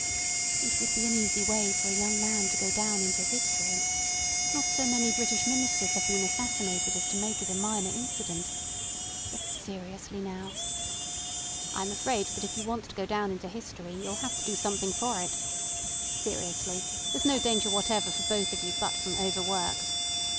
"It would be an easy way for a young man to go down into history? Not so many British Ministers have been assassinated as to make it a minor incident. But seriously now—" "I am afraid that if you want to go down into history you'll have to do something for it. Seriously, there's no danger whatever for both of you but from overwork."